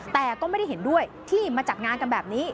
แต่ก็ไม่ได้เห็นด้วยที่มาจัดงานกันแบบนี้